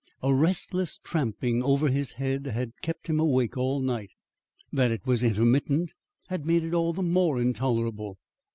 A restless tramping over his head had kept him awake all night. That it was intermittent had made it all the more intolerable.